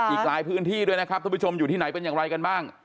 อีกหลายพื้นที่ด้วยนะครับท่านผู้ชมอยู่ที่ไหนเป็นอย่างไรกันบ้าง